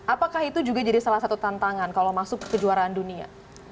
apakah salah satu tantangan kalau masuk ke kejuaraan dunia